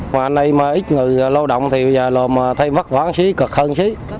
còn anh em ít người lao động thì bây giờ lộn thêm vắt vãn xí cực hơn xí